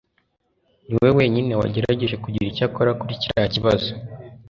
niwe wenyine wagerageje kugira icyo akora kuri kiriya kibazo.